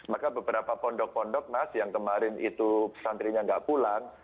maka beberapa pondok pondok mas yang kemarin itu santrinya nggak pulang